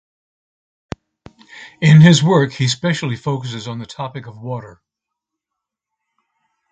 In his work he specially focuses on the topic of water.